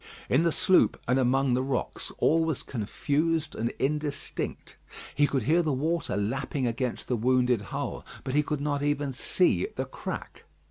In the sloop and among the rocks all was confused and indistinct. He could hear the water lapping against the wounded hull, but he could not even see the crack.